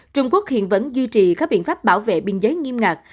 trung quốc hiện vẫn duy trì các biện pháp bảo vệ biên giới nghiêm ngặt